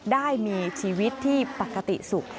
ได้มีชีวิตที่ปกติสุข